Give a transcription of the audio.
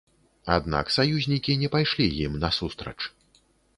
Аднак саюзнікі не пайшлі ім насустрач.